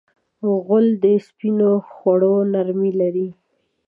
غول د سپینو خوړو نرمي لري.